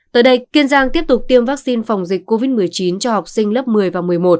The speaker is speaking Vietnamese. tới đây kiên giang tiếp tục tiêm vaccine phòng dịch covid một mươi chín cho học sinh lớp một mươi và một mươi một